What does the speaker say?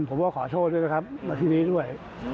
ผมก็ขอโทษด้วยนะครับมาที่นี้ด้วย